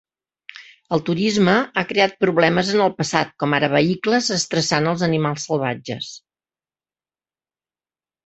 El turisme ha crear problemes en el passat, com ara vehicles estressant els animals salvatges.